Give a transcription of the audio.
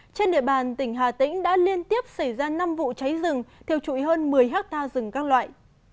trên địa bàn tỉnh hà tĩnh đã liên tiếp xảy ra năm vụ cháy rừng theo trụi hơn một mươi hectare rừng các loại